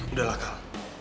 udah lah kal